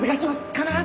必ず！